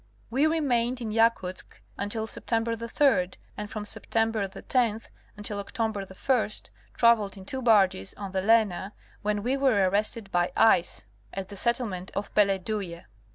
We remained in Yakutsk until September 3d, and from September 10th until October Ist traveled in two barges on the Lena when we were arrested by ice at the settlement of Peleduie.